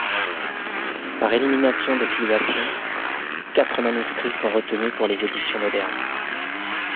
Par élimination des filiations, quatre manuscrits sont retenus pour les éditions modernes.